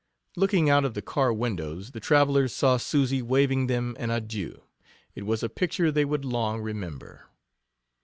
Looking out of the car windows, the travelers saw Susy waving them an adieu. It was a picture they would long remember.